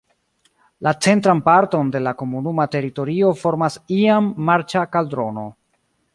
La centran parton de la komunuma teritorio formas iam marĉa kaldrono.